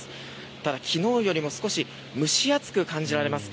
ただ、昨日よりも少し蒸し暑く感じられます。